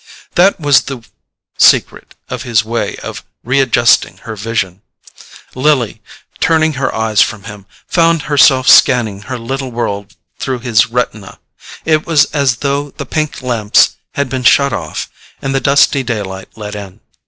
That was the secret of his way of readjusting her vision. Lily, turning her eyes from him, found herself scanning her little world through his retina: it was as though the pink lamps had been shut off and the dusty daylight let in.